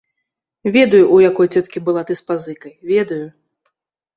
Ведаю, у якой цёткі была ты з пазыкай, ведаю!